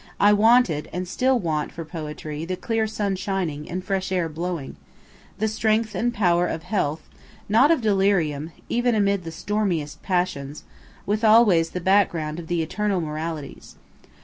I wanted, and still want for poetry, the clear sun shining, and fresh air blowing the strength and power of health, not of delirium, even amid the stormiest passions with always the background of the eternal moralities.